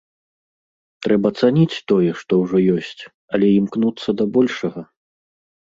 Трэба цаніць тое, што ўжо ёсць, але імкнуцца да большага.